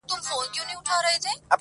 نه مرهم مي دي لیدلي نه مي څرک د طبیبانو!